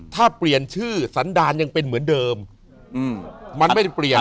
ถ้าเปลี่ยนชื่อสันดารยังเป็นเหมือนเดิมมันไม่ได้เปลี่ยน